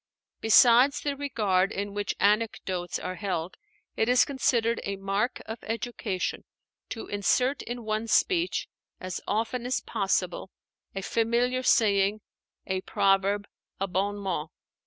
Besides the regard in which anecdotes are held, it is considered a mark of education to insert in one's speech as often as possible a familiar saying, a proverb, a bon mot.